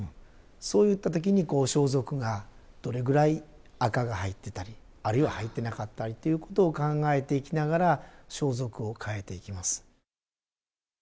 そういった時にこう装束がどれぐらい紅が入ってたりあるいは入ってなかったりということを考えていきながら装束を変えていきます。